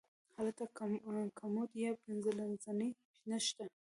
هلته کمود یا پخلنځی نه شته.